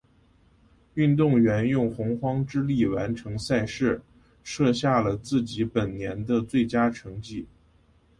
运动员用洪荒之力完成赛事，设下了自己本年的最佳成绩。